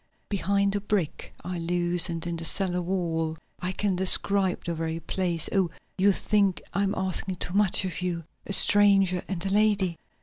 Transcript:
"Behind a brick I loosened in the cellar wall. I can describe the very place. Oh, you think I am asking too much of you a stranger and a lady."